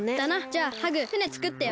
じゃあハグふねつくってよ。